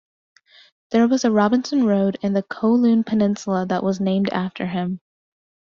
There was a Robinson Road in the Kowloon Peninsula that was named after him.